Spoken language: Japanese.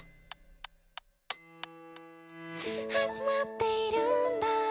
「始まっているんだ